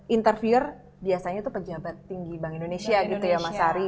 intervier biasanya itu pejabat tinggi bank indonesia gitu ya mas ari